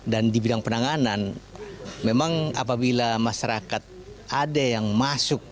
dan di bidang penanganan memang apabila masyarakat ada yang masuk